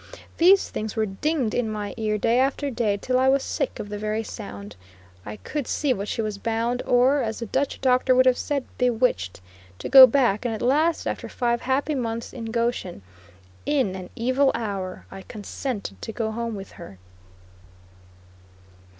These things were dinged in my ears day after day, till I was sick of the very sound. I could see that she was bound, or, as the Dutch doctor would have said, "bewitched" to go back, and at last, after five happy months in Goshen, in an evil hour I consented to go home with her.